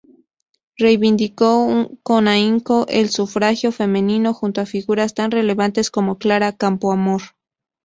Reivindicó con ahínco el sufragio femenino, junto a figuras tan relevantes como Clara Campoamor.